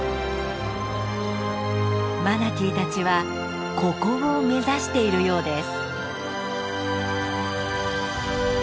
マナティーたちはここを目指しているようです。